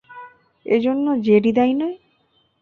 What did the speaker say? এর জন্য জেডি দায়ী নয়?